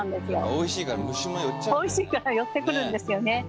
おいしいから寄ってくるんですよね。